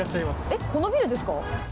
えっこのビルですか？